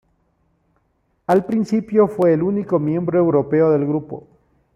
Al principio, fue el único miembro europeo del grupo.